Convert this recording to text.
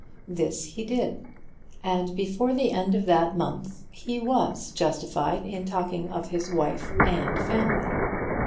This he did; and before the end of that month he was justified in talking of his wife and family.